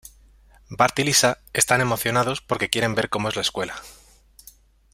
Bart y Lisa están emocionados porque quieren ver cómo es la escuela.